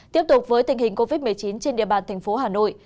tiếp tục với tình hình covid một mươi chín trên địa bàn tp hà nội